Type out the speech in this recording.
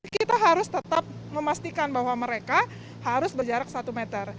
kita harus tetap memastikan bahwa mereka harus berjarak satu meter